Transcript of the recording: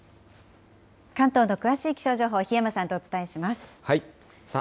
関東の詳しい気象情報、檜山さんとお伝えします。